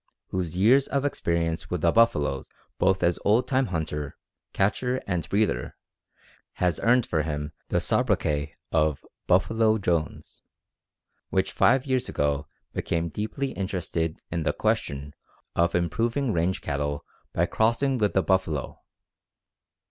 whose years of experience with the buffalo, both as old time hunter, catcher, and breeder, has earned for him the sobriquet of "Buffalo Jones," five years ago became deeply interested in the question of improving range cattle by crossing with the buffalo.